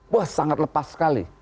wah sangat lepas sekali